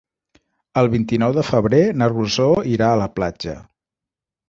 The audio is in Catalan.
El vint-i-nou de febrer na Rosó irà a la platja.